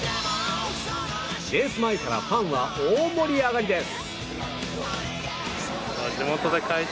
レース前からファンは大盛り上がりです。